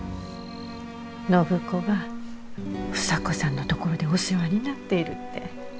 暢子が房子さんの所でお世話になっているって。